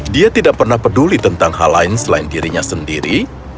dia tidak pernah peduli tentang hal lain selain dirinya sendiri